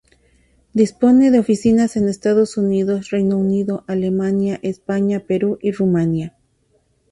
Dispone de oficinas en Estados Unidos, Reino Unido, Alemania, España, Perú y Rumanía.